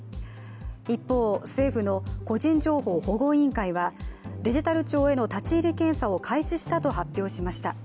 一方、政府の個人情報保護委員会はデジタル庁への立ち入り検査を開始したと発表しました。